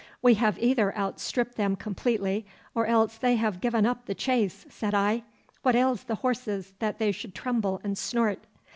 'We have either outstripped them completely, or else they have given up the chase,' said I. 'What ails the horses that they should tremble and snort?